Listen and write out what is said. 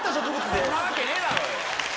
そんなわけねえだろよ。